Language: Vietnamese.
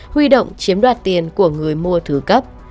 huy động chiếm đoạt tiền của người mua thứ cấp